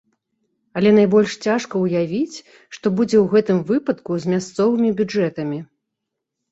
Але найбольш цяжка ўявіць, што будзе ў гэтым выпадку з мясцовымі бюджэтамі.